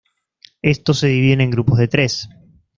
Estos se dividen en grupos de tres.